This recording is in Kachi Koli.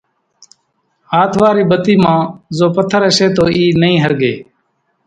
ھاٿ واري ٻتي مان زو پٿر ھشي تو اِي نئي ۿرڳي